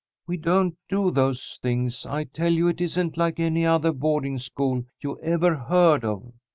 "We don't do those things. I tell you it isn't like any other boarding school you ever heard of."